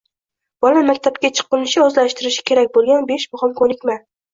Bola maktabga chiqqunicha o‘zlashtirishi kerak bo‘lganbeshmuhim ko‘nikma